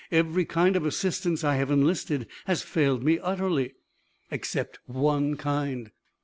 Every kind of assistance I have enlisted has failed me utterly." "Except one kind."